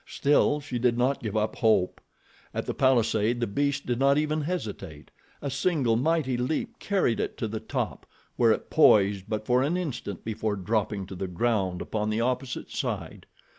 Still she did not give up hope. At the palisade the beast did not even hesitate. A single mighty leap carried it to the top, where it poised but for an instant before dropping to the ground upon the opposite side.